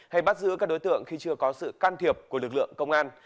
hay bắt giữ các đối tượng khi chưa có sự can thiệp của lực lượng công an